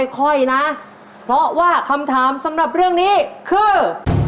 ค่อยนะเพราะว่าคำถามสำหรับเรื่องนี้คือ